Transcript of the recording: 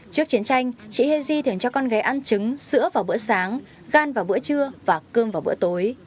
trước chiến tranh chị hezi thường cho con gái ăn trứng sữa vào bữa sáng gan vào bữa trưa và cơm vào bữa tối